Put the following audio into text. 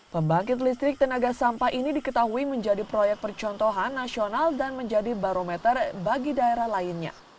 pembangkit listrik tenaga sampah ini diketahui menjadi proyek percontohan nasional dan menjadi barometer bagi daerah lainnya